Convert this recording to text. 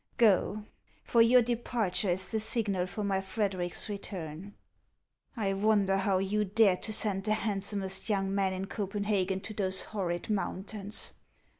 Go ; for your departure is the signal for my Frederic's return. I wonder how you dared to send the handsomest young man in Copenhagen to those horrid mountains!